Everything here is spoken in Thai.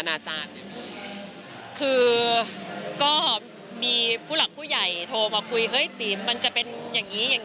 ได้ไหมครับที่บอกว่าตำรวจเรียก